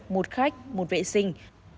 một khách một vệ sinh